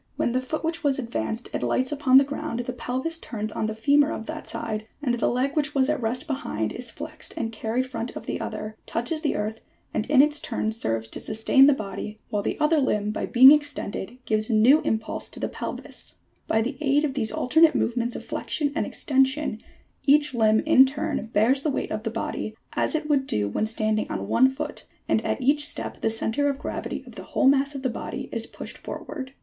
When the foot which was advanced alights upon the ground, the pelvis turns on the femur of that side, and the leg which was at rest behind, is flexed and carried front of the other, touches the earth and in its turn serves to sustain the body, while the other limb by being extended gives a new impulse to the pelvis. By the aid of these alternate movements of flexion and extension each limb in turn bears the weight of the body, as it would do when standing on one foot, and at each step the centre of gravity of the whole mass of the body is pushed for ward.